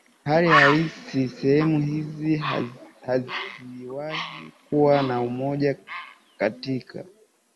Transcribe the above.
Hali halisi sehemu hizi haziwahi kuwa na umoja katika